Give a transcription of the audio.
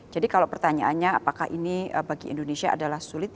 kalau pertanyaannya apakah ini bagi indonesia adalah sulit